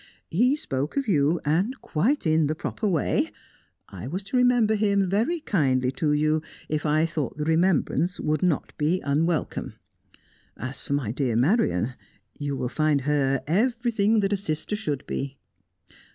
He spoke of you, and quite in the proper way; I was to remember him very kindly to you, if I thought the remembrance would not be unwelcome. As for my dear Marian, you will find her everything that a sister should be."